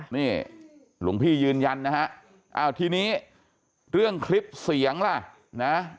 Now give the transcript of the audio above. นี่หลวงพี่ยืนยันนะฮะอ้าวทีนี้เรื่องคลิปเสียงล่ะนะ